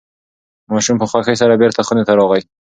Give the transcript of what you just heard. ماشوم په خوښۍ سره بیرته خونې ته راغی.